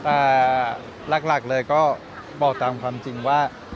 หลักหลักเลยก็บอกตามความจริงว่า